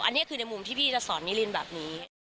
อันนี้คือในมุมที่พี่จะสอนนิรินแบบนี้